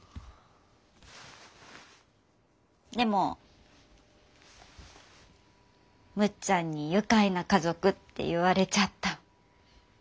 でもむっちゃんに「愉快な家族」って言われちゃった。